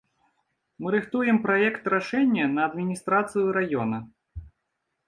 Мы рыхтуем праект-рашэнне на адміністрацыю раёна.